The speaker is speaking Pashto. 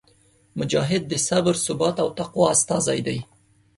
مجاهد د صبر، ثبات او تقوا استازی دی.